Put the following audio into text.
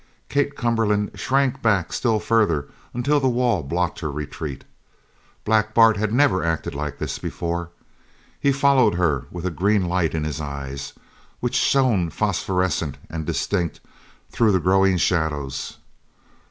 Kate Cumberland shrank back still farther until the wall blocked her retreat. Black Bart had never acted like this before. He followed her with a green light in his eyes, which shone phosphorescent and distinct through the growing shadows.